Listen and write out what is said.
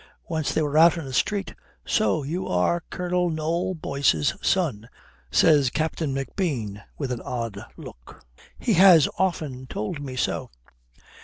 Once they were out in the street, "So you are Colonel Noll Boyce's son," says Captain McBean with an odd look. "He has often told me so."